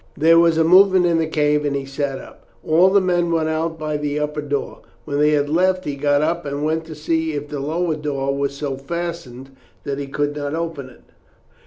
There was a movement in the cave, and he sat up. All the men went out by the upper door. When they had left he got up and went to see if the lower door was so fastened that he could not open it.